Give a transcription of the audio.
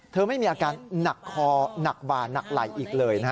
เธอไม่มีอาการหนักคอหนักบ่าหนักไหล่อีกเลย